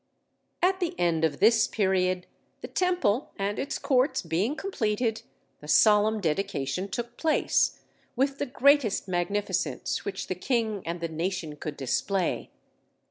At the end of this period, the Temple and its courts being completed, the solemn dedication took place, with the greatest magnificence which the king and the nation could display.